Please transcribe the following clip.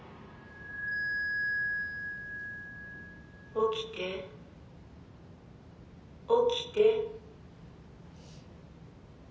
起きて起きて。